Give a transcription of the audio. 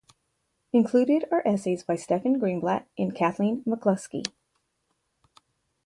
Included are essays by Stephen Greenblatt and Kathleen McLuskie.